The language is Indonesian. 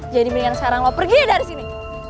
jadi mendingan sekarang lu pergi dari sini